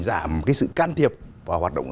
giảm cái sự can thiệp và hoạt động